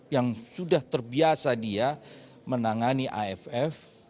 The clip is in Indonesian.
yang sudah terbiasa dia menangani aff